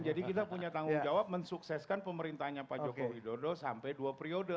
jadi kita punya tanggung jawab mensukseskan pemerintahnya pak joko widodo sampai dua periode